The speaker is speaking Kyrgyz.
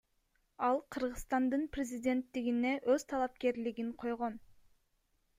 Ал Кыргызстандын президенттигине өз талапкерлигин койгон.